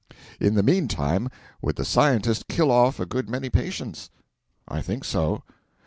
In the meantime would the Scientist kill off a good many patients? I think so.